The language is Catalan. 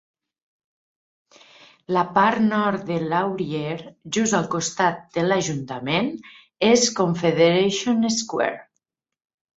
La part nord de Laurier, just al costat de l'ajuntament, és Confederation Square.